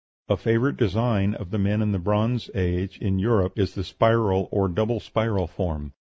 A favorite design of the men of the Bronze Age in Europe is the spiral or double spiral form.